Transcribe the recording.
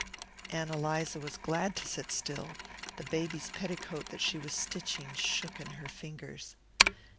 Ann Eliza was glad to sit still: the baby's petticoat that she was stitching shook in her fingers.